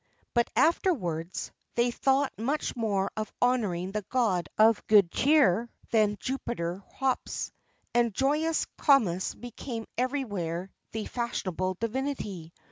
But afterwards, they thought much more of honouring the god of good cheer than Jupiter Hospes, and joyous Comus became everywhere the fashionable divinity.